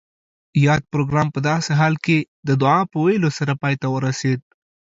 یاد پروګرام پۀ داسې حال کې د دعا پۀ ویلو سره پای ته ورسید